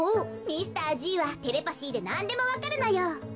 ミスターＧはテレパシーでなんでもわかるのよ。